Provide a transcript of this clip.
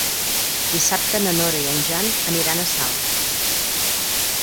Dissabte na Nora i en Jan aniran a Salt.